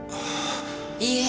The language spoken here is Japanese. いいえ